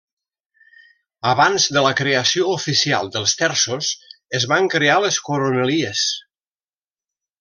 Abans de la creació oficial dels terços es van crear les coronelies.